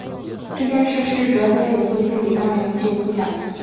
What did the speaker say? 这件事师哲在自己的回忆录里当然也就不讲了。